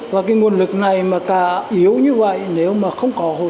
và cái nguồn lực này mà cả yếu như vậy nếu mà không có hỗ trợ của nhà nước